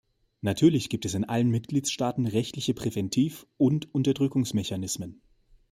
Natürlich gibt es in allen Mitgliedstaaten rechtliche Präventiv- und Unterdrückungsmechanismen.